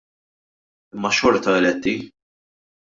Imma xorta eletti.